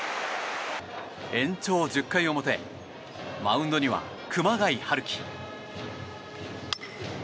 延長１０回表マウンドには熊谷陽輝。